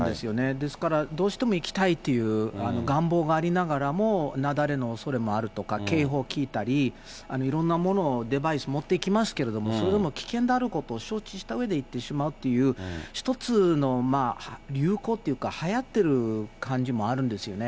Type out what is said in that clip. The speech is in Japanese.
ですから、どうしても行きたいという願望がありながらも、雪崩のおそれもあるとか、警報を聞いたり、いろんなものを、デバイス持っていきますけれども、それでも危険であることを承知したうえで行ってしまうという、一つのまあ、流行っていうか、はやってる感じもあるんですよね。